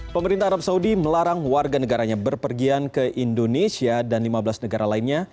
pemerintah arab saudi melarang warga negaranya berpergian ke indonesia dan lima belas negara lainnya